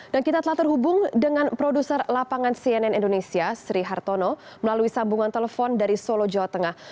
dan kita telah terhubung dengan produser lapangan cnn indonesia sri hartono melalui sambungan telepon dari solo jawa tengah